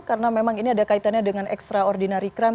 karena memang ini ada kaitannya dengan extraordinary crime